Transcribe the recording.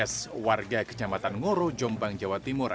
s warga kecamatan ngoro jombang jawa timur